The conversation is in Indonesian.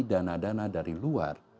dana dana dari luar